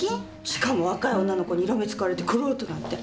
しかも若い女の子に色目使われてコロッとなんて。